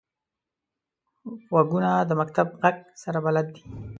غوږونه د مکتب غږ سره بلد دي